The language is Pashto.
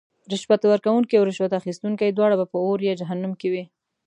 رشوت ورکوونکې او رشوت اخیستونکې دواړه به اور یا جهنم کې وی .